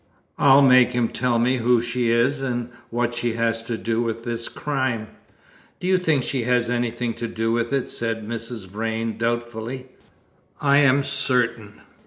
I'll make him tell me who she is, and what she has to do with this crime." "Do you think she has anything to do with it?" said Mrs. Vrain doubtfully. "I am certain.